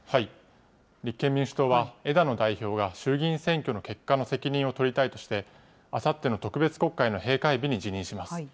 立憲民主党は枝野代表が衆議院選挙の結果の責任を取りたいとして、あさっての特別国会の閉会日に辞任します。